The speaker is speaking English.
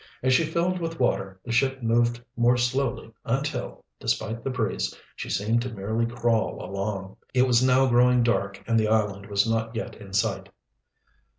As she filled with water the ship moved more slowly until, despite the breeze, she seemed to merely crawl along. It was now growing dark and the island was not yet in sight.